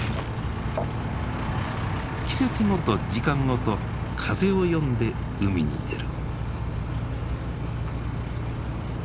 季節ごと時間ごと風を読んで海に出る。